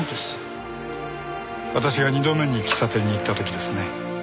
私が２度目に喫茶店に行った時ですね？